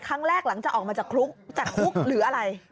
ครั้งแรกหลังจะออกมาจากคุกหรืออะไร